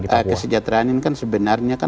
di papua kesejahteraan ini kan sebenarnya